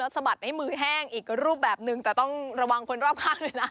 สะบัดให้มือแห้งอีกรูปแบบนึงแต่ต้องระวังคนรอบข้างด้วยนะ